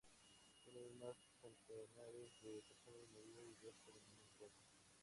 Una vez más centenares de personas murió y resto abandono el pueblo.